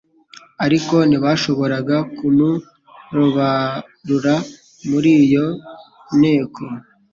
Ariko ntibashoboraga kumurobarrura muri iyo nteko.